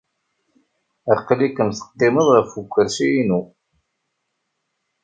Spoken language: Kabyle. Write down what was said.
Aql-ikem teqqimeḍ ɣef ukersi-inu.